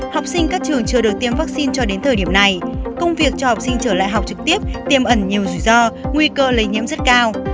học sinh các trường chưa được tiêm vaccine cho đến thời điểm này công việc cho học sinh trở lại học trực tiếp tiêm ẩn nhiều rủi ro nguy cơ lây nhiễm rất cao